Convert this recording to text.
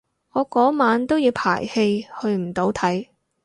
我嗰晚都要排戲去唔到睇